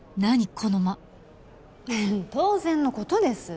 この間当然のことです